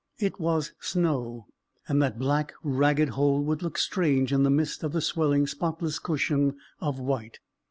It was snow, and that black ragged hole would look strange in the midst of the swelling spotless cushion of white.